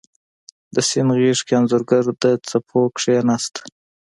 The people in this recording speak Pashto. د سیند غیږ کې انځورګر د څپو کښېناست